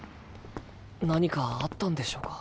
なにかあったんでしょうか。